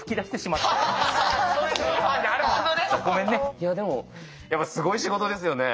いやでもやっぱすごい仕事ですよね。